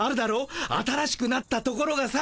新しくなったところがさ。